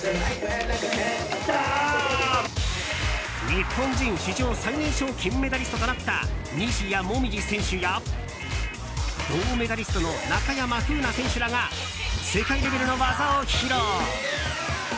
日本人史上最年少金メダリストとなった西矢椛選手や銅メダリストの中山楓奈選手らが世界レベルの技を披露。